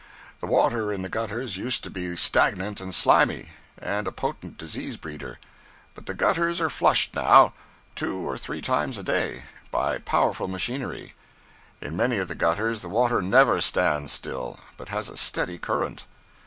The water in the gutters used to be stagnant and slimy, and a potent disease breeder; but the gutters are flushed now, two or three times a day, by powerful machinery; in many of the gutters the water never stands still, but has a steady current.